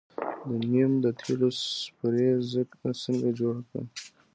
د نیم د تیلو سپری څنګه جوړ کړم؟